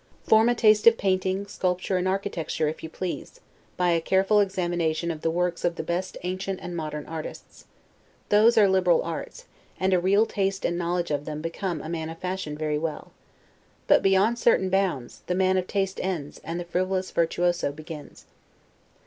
Form a taste of painting, sculpture, and architecture, if you please, by a careful examination of the works of the best ancient and modern artists; those are liberal arts, and a real taste and knowledge of them become a man of fashion very well. But, beyond certain bounds, the man of taste ends, and the frivolous virtuoso begins.